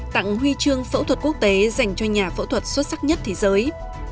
tặng huy chương phẫu thuật quốc tế dành cho nhà phẫu thuật xuất sắc nhất thế giới